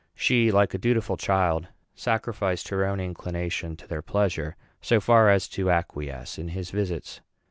She, like a dutiful child, sacrificed her own inclination to their pleasure so far as to acquiesce in his visits.